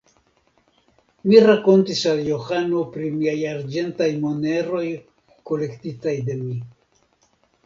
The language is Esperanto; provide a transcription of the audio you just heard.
Mi rakontis al Johano pri miaj arĝentaj moneroj kolektitaj de mi.